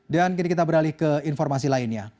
dan kini kita beralih ke informasi lainnya